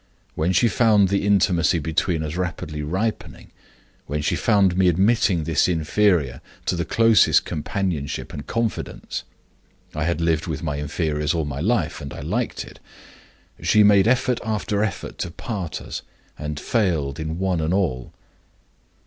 When she found the intimacy between us rapidly ripening; when she found me admitting this inferior to the closest companionship and confidence (I had lived with my inferiors all my life, and I liked it), she made effort after effort to part us, and failed in one and all.